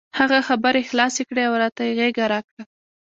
هغه خبرې خلاصې کړې او راته یې غېږه راکړه.